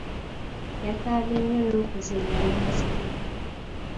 Yakaabye nnyo n'okuziyira n'aziyira.